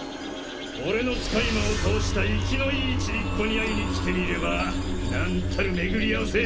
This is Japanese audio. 俺の使い魔を倒した生きのいいちびっ子に会いに来てみれば何たる巡り合わせ